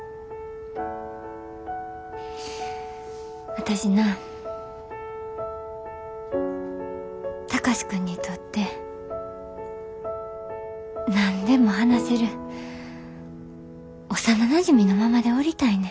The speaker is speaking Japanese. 私な貴司君にとって何でも話せる幼なじみのままでおりたいねん。